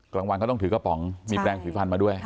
กลางวันก็ต้องถือกระป๋องมีแปลงสีฟันมาด้วย